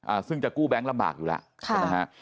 ซึ่งจะกู้แบงค์ลำบากอยู่แล้วค่ะใช่ไหมฮะ